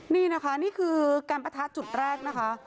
นี่นะคะนี่คือการปะทะจุดแรกนะคะ